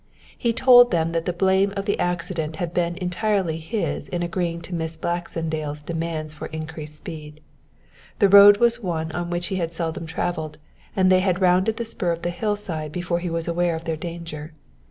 He told them that the blame of the accident had been entirely his in agreeing to Miss Baxendale's demands for increased speed. The road was one on which he had seldom travelled and they had rounded the spur of the hillside before he was aware of their danger.